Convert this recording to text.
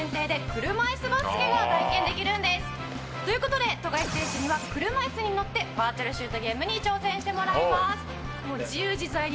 という事で富樫選手には車いすに乗ってバーチャル・シュートゲームに挑戦してもらいます。